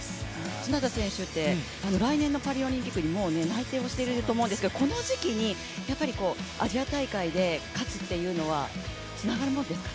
角田選手は来年のパリオリンピックに内定していると思うんですがこの時期にアジア大会で勝つっていうのはつながるものですか？